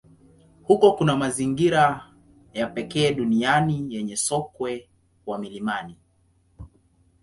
Huko kuna mazingira ya pekee duniani yenye sokwe wa milimani.